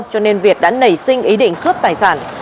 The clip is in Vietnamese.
cho nên việt đã nảy sinh ý định cướp tài sản